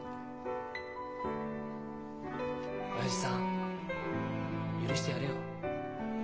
親父さん許してやれよ。